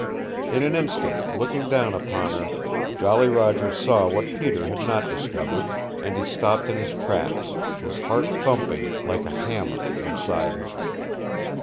In an instant, looking down upon her, Jolly Roger saw what Peter had not discovered, and he stopped in his tracks, his heart thumping like a hammer inside him.